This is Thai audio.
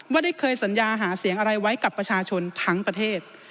ได้เคยสัญญาหาเสียงอะไรไว้กับประชาชนทั้งประเทศ